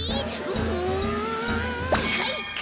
うんかいか！